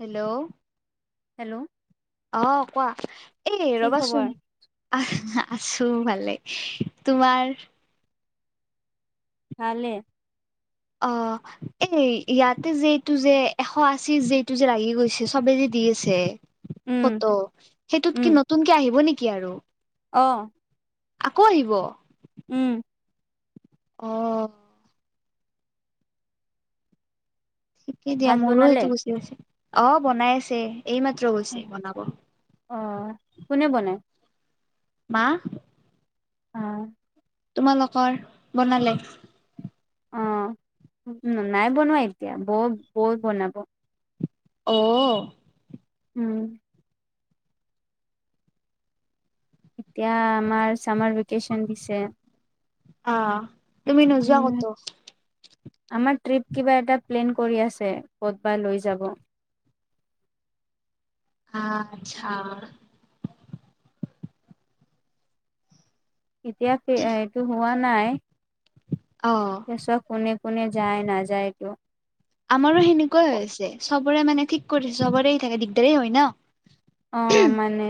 Hello hello অঁ কোৱা এই কি খবৰ ৰবাচোন আছো ভালে তোমাৰ ভালে অঁ এই ইয়াতে যে এইটো যে এশ আশী যে টো যে লাগি গৈছে চবে যে দি আছে উম ফটো সেইটোত কি নতুনকে আহিব নেকি আৰু অঁ আকৌ আহিব উম অঁ ঠিকেই দিয়া ভাত মোৰো বনালে সেইটো গুচি গৈছে অঁ বনাই আছে এইমাত্ৰ গৈছে বনাব অ কোনে বনাই মা অঁ তোমালোকৰ বনালে অঁ নাই বনোৱা এতিয়া বৌ বৌ বনাব অঁ উম এতিয়া আমাৰ চামাৰ ভেকেচন দিছে অঁ উম আমাৰ ট্ৰিপ কিবা এটা প্লেন কৰি আছে ক'ত বা লৈ যাব অঁ আচ্ছা এতিয়া সেইয়া-এইটো হোৱা নাই। অ [unintelligible] কোনে কোনে যায় নাযায় কিয়? আমাৰো সেনেকুৱাই হৈ আছে, চবৰে মানে ঠিক কৰিছে, চবৰে থাকে দিগদাৰেই হয় ন। অ', মানে,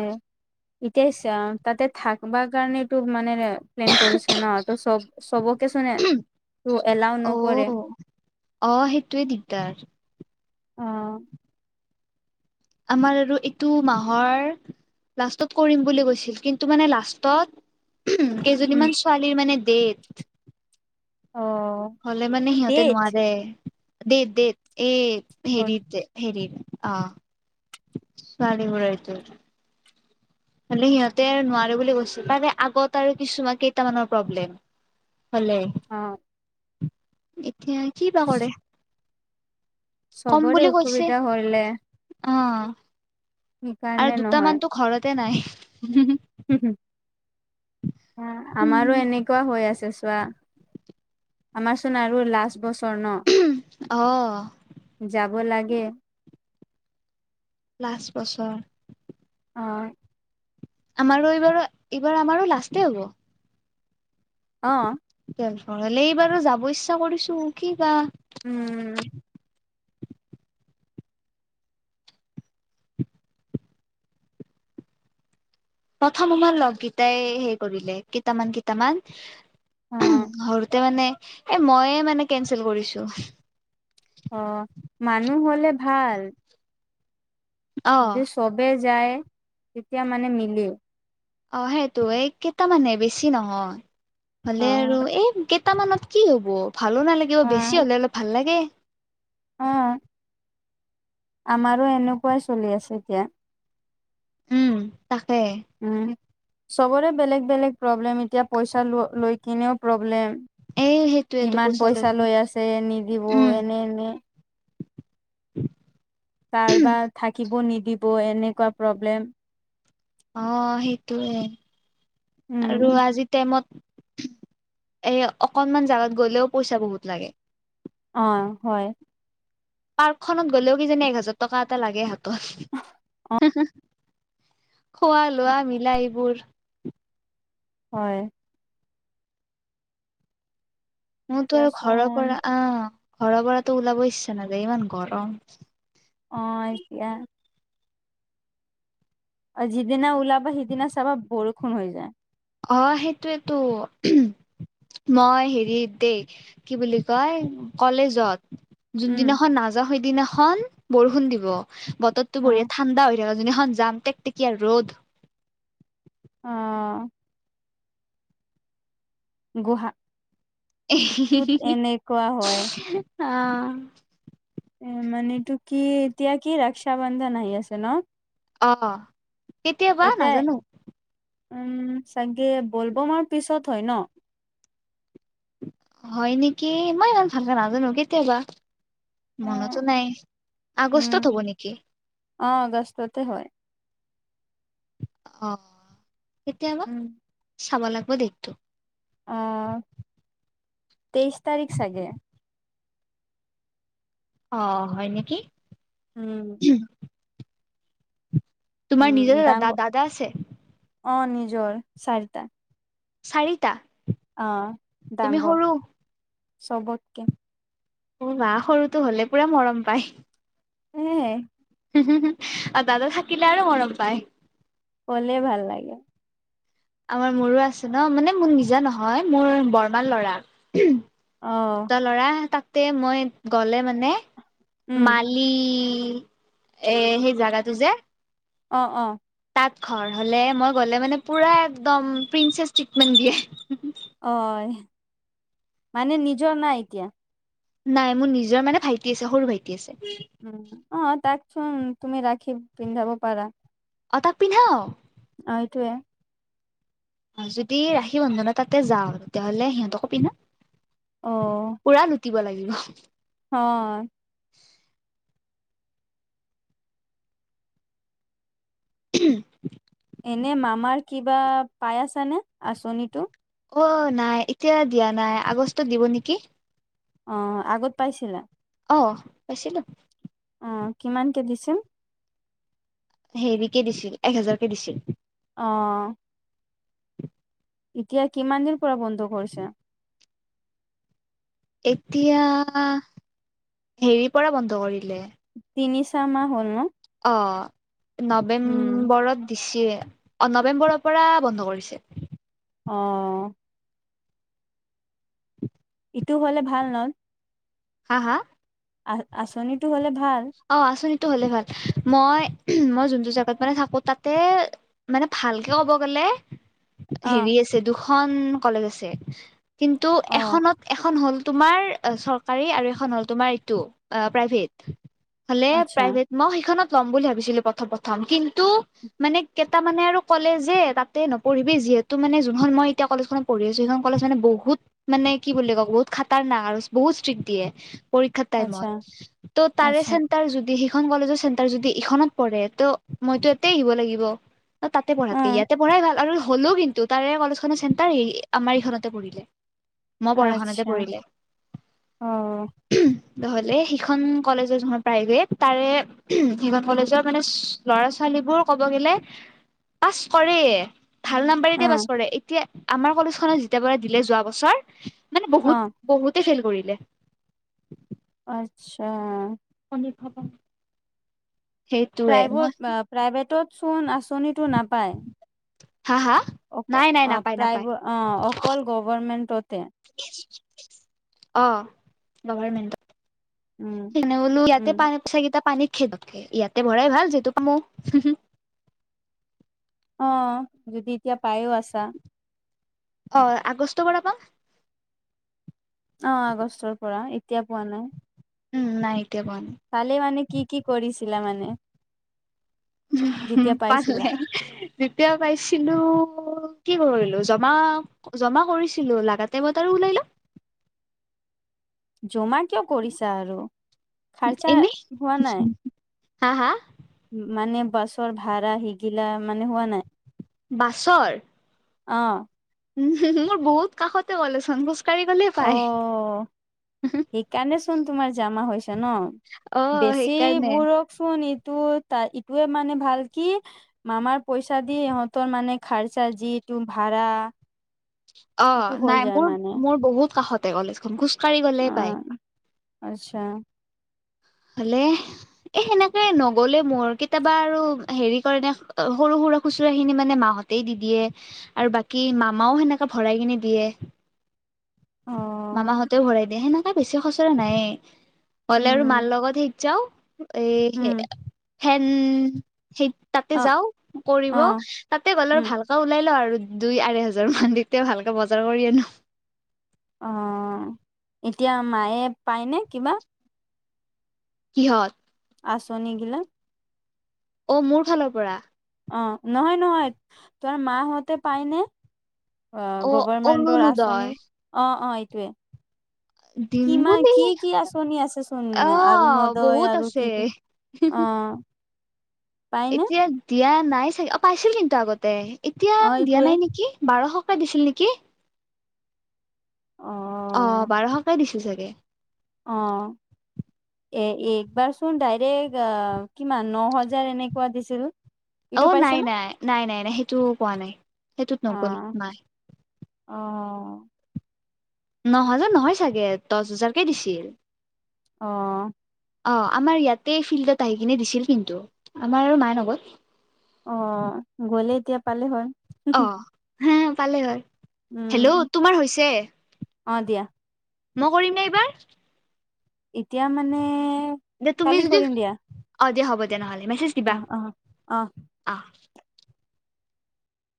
এতিয়া [unintelligible] তাতে থাকিব কাৰণেতো মানে প্লেন কৰিছে ন, ত' চব-চবকেচোন তো এলাও অ নকৰে। অ', সেইটোৱে দিগদাৰ। অ'। আমাৰ আৰু এইটো মাহৰ লাষ্টত কৰিম বুলি কৈছিল কিন্তু মানে লাষ্টত কেইজনীমান ছোৱালীৰ মানে দেত অ হ'লে মানে সিহঁতে তেজ নোৱাৰে দেত দেত এই অ হেৰি যে হেৰি অঁ ছোৱালীবোৰৰ এইটো হলে সিহঁতে আৰু নোৱাৰে বুলি কৈছিল মানে আগত আৰু কিছুমান কেইটামানৰ প্ৰব্লেম হলে এতিয়া কি বা কৰে কম চবৰে বুলি কৈছে অসুবিধা হ'লে অ'। আৰু সেইকাৰণে নহয় দুটামানতো ঘৰতে নাই। অ', আমাৰো এনেকুৱা হৈ আছে চ কুৱা, আমাৰচোন আৰু লাষ্ট বস্ স্বৰ্ণ, অ যাব লাগে। লাষ্ট বছৰ। অ'। আমাৰো এইবাৰো, এইবাৰ আমাৰো লাষ্টেই হ'ব। অ'। ঘৰলে বাৰু যাব ইচ্ছা কৰিছো, কি বা উম। প্ৰথম আমাৰ লগকেইটাই হেৰি কৰিলে, কেইটামান কেইটামান। অ কৰোঁতে মানে এ ময়ে মানে কেঞ্চেল কৰিছো। অ', মানুহ হ'লে ভাল। অ যদি চবে যায়, তেতিয়া মানে মিলে। অ', সেইটোৱেই, কেইটামানহে বেছি নহয়, অ হ'লে আৰু এই কেট টামানত কি হ'ব, ভালো নালাগিব, অ বেছি হ'লে অলপ ভাল লাগে। অ'। আমাৰো এনেকুৱাই চলি আছে এতিয়া। উম, তাকে। উম চবৰে বেলেগ বেলেগ প্ৰব্লেম, এতিয়া পইচা ল-লৈ কিনেও প্ৰব্লেম এই সেইটোয়েতো ইমান পইচা লাগিব লৈ আছে, নিদিব উম এনে এনে। [inaudible] কাৰবাৰ থাকিব নিদিব, এনেকুৱা প্ৰব্লেম। অ', সেইটোৱে, আৰু উম আজিৰ টাইমত এই অকনমান জাগাত গ'লেও পইচা বহুত লাগে। অ', হয়। পাৰ্কখনত গ'লেও কিজানি এক হাজাৰ টকা এটা লাগে হাতত। খোৱা লোৱা মিলাই এইবোৰ হয়। মোৰতো এতিয়া আৰু ঘৰৰ চোন পৰা অ' ঘৰৰ পৰাতো ওলাব ইচ্ছা নাযায়, ইমান গৰম। অ', এতিয়া আৰু যিদিনা ওলাবা সিদিনা চাবা বৰষুণ হৈ যায়। অ', সেইটোৱেইতো মই হেৰিত দেই, কি বুলি কয়, কলেজত উম জোনদিনাখন নাযাওঁ সেইদিনাখন বৰষুণ দিব, বতৰটো অ বঢ়িয়া ঠাণ্ডা হৈ যিদিনাখন যাম টেকটেকীয়া ৰ'দ অ' গুহা হয় অ' উম মানে এইটো কি এতিয়া কি, ৰক্ষা বন্ধন আহি আছে ন? অ', কেতিয়া বা, এটা নাজানো। উম, চাগে বলব'মৰ পিছত হয় ন? হয় নেকি, মই ইমান ভালকে নাজানো, কেতিয়াবা। অ মনতো নাই, উম আগষ্টত হ'ব নেকি? অ', আগষ্টতে হয়। অ', কেতিয়াবা, উম চাব লাগিব ডেটটো। অ', তেইছ তাৰিখ চাগে। অ', হয় নেকি। উম। তোমাৰ উম নিজৰে ডাঙৰ দাদ-দাদা আছে? অ', নিজৰ, চাৰিটা। চাৰিটা? অ', তুমি ডাঙৰ, সৰু চবতকে অ' মা, সৰুটো হ'লে পুৰা মৰম পায়। উম। দাদা থাকিলে আৰু মৰম পায়। ক'লে ভাল লাগে। আমাৰ মোৰো আছে ন, মানে মোৰ নিজৰ নহয়, মোৰ বৰমাৰ ল'ৰা। অ দুটা ল'ৰা তাতে মই গ'লে মানে উম মালি এই সেই জাগাতো যে অ' অ'। তাত ঘৰ হ'লে মই গ'লে মানে পুৰা একদম প্ৰিন্চেচ ট্ৰিটমেণ্ট দিয়ে। অ', মানে নিজৰ নাই এতিয়া? নাই, মোৰ নিজৰ মানে ভাইটি আছে, সৰু ভাইটি আছে। উম অ তাকচোন তুমি ৰাখি পিন্ধাব পাৰা। অ', তাক পিন্ধাও। সেইটোৱে। যদি ৰাখি বন্ধনত তাতে যাওঁ, তেতিয়াহ'লে সিহঁতকো পিন্ধাওঁ। অ'। দিব লাগিব। অ'। [unintelligible] উম এনে মামাৰ কিবা পাই আছা নে, আঁচনিতো? অ', নাই, এতিয়া দিয়া নাই, আগষ্টত দিব নেকি। অ', আগত পাইছিলা? অ', পাইছিলো। অ', কিমানকে দিছিল? হেৰিকে দিছিল, এক হেজাৰকে দিছিল। অ'। এতিয়া কিমান দিন পৰা বন্ধ কৰিছে? এতিয়া, হেৰি পৰা বন্ধ কৰিলে। তিনি ছ মাহ হ'ল ন অ উম নৱেম্বৰত দিছে নৱেম্বৰৰ পৰা বন্ধ কৰিছে অ ইটো হ'লে ভাল নয় হা হা আ আচনিটো হ'লে ভাল অ আছনি টো হ'লে ভাল, মই-মই যোনটো জেগাত মানে থাকো তাতে মানে ভালকে ক'ব গ'লে [unintelligible] হেৰি আছে দুখন কলেজ আছে, কিন্তু অ এখনত এখন হ'ল তোমাৰ চৰকাৰী আৰু এখন হ'ল তোমাৰ এইটো প্ৰাইভেট। হ'লে আচ্ছা প্ৰাইভেট, মই সেইখনত ল'ম বুলি ভাবিছিলো প্ৰথম প্ৰথম, কিন্তু মানে কেইটামানে আৰু ক'লে যে তাতে নপঢ়িবি, যি যিহেতু মানে জোনখন মই এতিয়া কলেজখনত পঢ়ি আছো, সেইখন কলেজ মানে বহুত মানে কি বুলি ক'ম বহুত খাতাৰনাক আৰু বহুত স্ত্ৰীক্ট দিয়ে পৰীক্ষা আচ্ছা টাইমত, ত' তাৰে আচ্ছা চেণ্টাৰ জোনটো দি সিখন কলেজৰ চেণ্টাৰ যদি ইখনত পৰে মইতো এতে আহিব লাগিব ত তাতে অ পঢ়াতকে ইয়াতে পঢ়াই গাল আৰু হলেও কিন্তু তাৰে কলেজখনৰ চেণ্টাৰ হ আমাৰ এইখনতে পৰিলে মই পঢ়া খনতে আচ্ছা পৰিলে অ নহলে সিখন কলেজৰ যখন প্ৰাইভেট তাৰে সিখন কলেজৰ মানে ল'ৰা ছোৱালীবোৰ ক'ব গ'লে পাছ কৰে ভাল নাম্বাৰ অ দিয়ে পাছ কৰে এতিয়া আমাৰ কলেজখনত যেতিয়াৰ পৰা দিলে যোৱা বছৰ মানে অ বহুত বহুতে ফেল কৰিলে আচ্ছা লিখাব প্ৰাইভেট প্ৰাইভেটত চোন আঁচনিটো নাপায় হা হা অ নাই নাই অ নাপায় নাপায় প্ৰাইভ অ অকল গভৰমেণ্ট অ উম গভাৰমেন্টত সেইনে বোলো উম ইয়াতে পানিত পইচাকেইটা পানীত ইয়াতে ভৰাই ভাল যিটো পামো আহ যদি এতিয়া পায়ো আছা অ [unintelligible] অ আগষ্টৰ পৰা এতিয়া পোৱা নাই উম নাই এতিয়া পোৱা তালে মানে কি কি কৰিছিলা মানে যেতিয়া পাইছিলা পালে যেতিয়া পাইছিলো কি কৰিলো জমা জমা কৰিছিলো লাগা টাইমত আৰু ওলাই ল জমা কিয় কৰিছা আৰু খাৰচা এনে হোৱা নাই হা হা মানে বাছৰ ভাড়া সিগিলা মানে হোৱা নাই বাছৰ অ উম মোৰ বহু কাষতে হলাচোন অ সেইকাৰণে চোন তোমাৰ জামা হৈছে ন অ বেছি সেইকাৰণে বোৰকচোন ই টো ত ইটোয়ে মানে ভাল কি মামাৰ পইচা দি ইহঁতৰ মানে খাৰচা জি ৰূম ভাড়া অ এইটো হৈ নাই যায় মোৰ মানে মোৰ বহুত কাষতে কলেজখন খোজ কাঢ়ি গ'লে অ পাই আচ্ছা ভালে এ সেনেকে নগলে মোৰ কেতিয়াবা আৰু হেৰি কৰে ন সৰু সৰু কুকুৰা খুচুৰা খিনি মানে মাহতেই দি দিয়ে আৰু বাকী মামাও সেনেকে ভৰাই কিনে দিয়ে [inaudible] অ মামাহঁতেও ভৰাই দিয়ে সেনেকে বেছি খচৰা নাই হলে আৰু মাৰ উম লগত সেই যাও এ উম হেন সেই তাতে অ যাওঁ কৰিব অ তাতে গলে উম আৰু ভালকে ওলাই লও আৰু দুই আঢ় হোজাৰ মান দি তে ভালকে বজাৰ কৰি আনো অ এতিয়া মায়ে পায়নে কিবা কিহত আচনি গিলা অ মোৰ ফালৰ পৰা অ নহয় নহয় তোমাৰ মা হঁতে পাইনে অ অ গভৰমেন্টৰ অৰুণোদয় আঁচনিৰ অ অ এইটোৱে দিম কিমান বুলি কি কি আচনি আছেচোন অ অৰুণোদয় বহুত আৰু আছে কি কি অ পায়নে এতিয়া দিয়া নাই চাগে পাইছিল কিন্তু আগতে এতিয়া অ দিয়া এইটোৱে নাই নেকি বাৰশকে দিছিল নেকি অ অ বাৰশকে দিছে চাগে অহ এ একবাৰ চোন ডাইৰেক্ আহ কিমান ন হাজাৰ এনেকুৱা দিছিল অ ইটো পাইছে নাই ন নাই নাই নাই নাই সেইটো পোৱা নাই সেইটোত নগল অ মাই অ ন হাজাৰ নহয় চাগে দচ হাজাৰকে দিছিল অহ অঁ আমাৰ ইয়াতে ফিল্ডত আহি কিনে দিছিল কিন্তু আমাৰ আৰু মায়ে নগল অ গলে এতিয়া পালে হয় অ হা পালে হয় উম হেল্ল' তোমাৰ হৈছে অ দিয়া মই কৰিমনে এইবাৰ এতিয়া মানে দে তুমি কালি যদি কৰিম দিয়া অ দিয়া হ'ব দিয়া নহ'লে মেছেজ অ দিবা অ অ অ